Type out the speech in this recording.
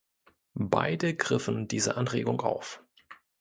Beide griffen diese Anregung auf.